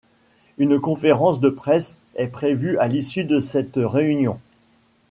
Une conférence de presse est prévue à l'issue de cette réunion.